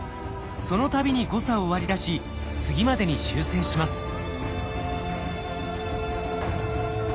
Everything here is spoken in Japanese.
その度に誤差を割り出し次までに修正します。